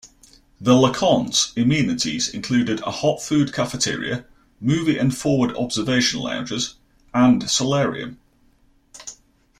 The "LeConte"s amenities include a hot-food cafeteria, movie and forward observation lounges, and solarium.